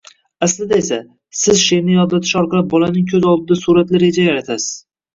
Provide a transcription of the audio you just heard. Aslida esa siz sheʼrni yodlatish orqali bolaning ko‘z oldida suratli reja yaratasiz.